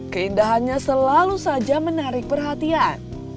keindahannya selalu saja menarik perhatian